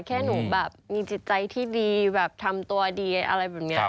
แค่หนูแบบมีจิตใจที่ดีแบบทำตัวดีอะไรแบบนี้